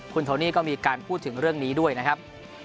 คุณโทนี่ก็มีการพูดถึงเรื่องนี้ด้วยนะครับ